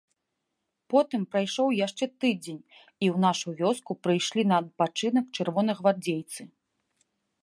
Потым прайшоў яшчэ тыдзень, і ў нашу вёску прыйшлі на адпачынак чырвонагвардзейцы.